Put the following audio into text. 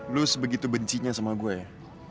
lo sebegitu bencinya sama gue ya